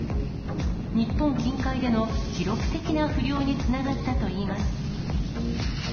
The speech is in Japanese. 日本近海での記録的な不漁につながったといいます。